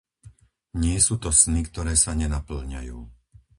Nie sú to sny, ktoré sa nenapĺňajú.